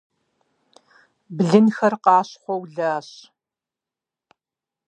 Блынхэр къащхъуэу лащ.